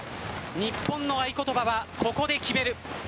日本の合言葉はココで、決める。